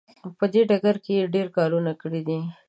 په دې ډګر کې یې ډیر کار کړی دی.